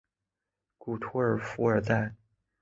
古托尔弗尔代。